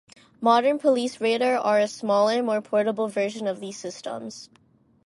Modern police radar are a smaller, more portable version of these systems.